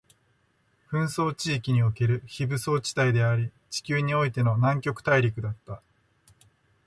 紛争地域における非武装地帯であり、地球においての南極大陸だった